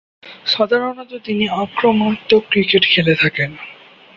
সাধারণত তিনি আক্রমণাত্মক ক্রিকেট খেলে থাকেন।